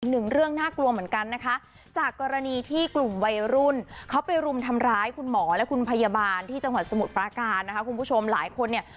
หนึ่งเรื่องน่ากลัวเหมือนกันนะคะจากกรณีที่กลุ่มวัยรุ่นเขาไปรุมทำร้ายคุณหมอและคุณพยาบาลที่จังหวัดสมุทรปราการนะคะคุณผู้ชมหลายคนเนี่ย